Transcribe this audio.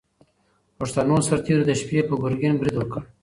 پښتنو سرتېرو د شپې پر ګورګین برید وکړ.